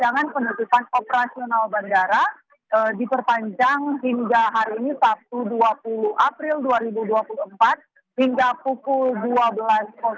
jangan penutupan operasional bandara diperpanjang hingga hari ini sabtu dua puluh april dua ribu dua puluh empat hingga pukul dua belas